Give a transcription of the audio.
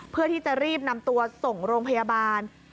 เพื่อที่จะรีบนำตัวส่งโรงพยาบาล